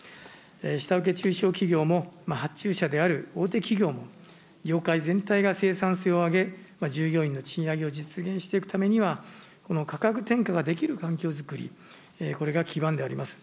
下請け・中小企業も、発注者である大手企業も、業界全体が生産性を上げ、従業員の賃上げを実現していくためには、この価格転嫁ができる環境づくり、これが基盤であります。